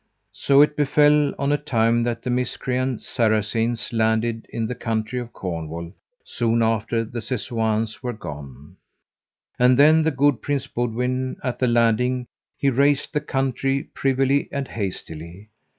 So it befell on a time that the miscreant Saracens landed in the country of Cornwall soon after these Sessoins were gone. And then the good Prince Boudwin, at the landing, he raised the country privily and hastily.